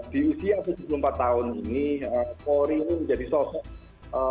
di usia tujuh puluh empat tahun ini polri ini menjadi sosok